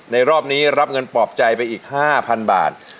รอบนี้รับเงินปลอบใจไปอีก๕๐๐๐บาท